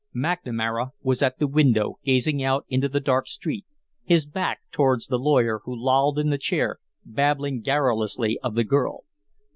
McNamara was at the window gazing out into the dark street, his back towards the lawyer, who lolled in the chair, babbling garrulously of the girl.